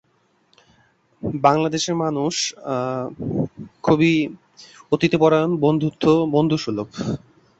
স্বাধীন ভারতের শাসন ব্যবস্থাও এটি প্রভাবক হিসেবে কাজ করে।